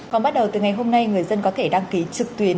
còn bắt đầu từ ngày hôm nay người dân có thể đăng ký trực tuyến